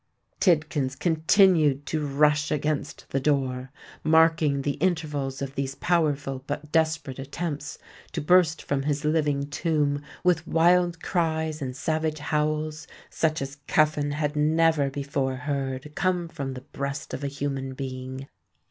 Tidkins continued to rush against the door, marking the intervals of these powerful but desperate attempts to burst from his living tomb, with wild cries and savage howls such as Cuffin had never before heard come from the breast of a human being.